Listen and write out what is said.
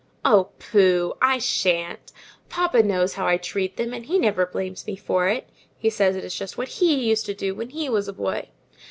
"Oh, pooh! I shan't. Papa knows how I treat them, and he never blames me for it: he says it is just what he used to do when he was a boy.